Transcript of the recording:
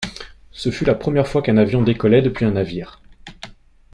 Ce fut la première fois qu'un avion décollait depuis un navire.